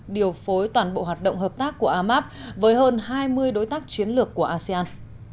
điều phối toàn bộ hoạt động hợp tác của amap với hơn hai mươi đối tác chiến lược của asean